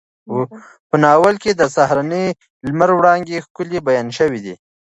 په ناول کې د سهارني لمر وړانګې ښکلې بیان شوې دي.